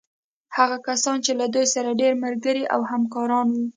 هغه کسان چې له دوی سره ډېر ملګري او همکاران وو.